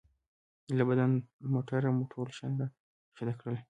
له بند موټره مو ټول شیان را کښته کړل.